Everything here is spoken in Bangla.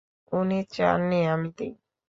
উনি চাননি আমি দিই।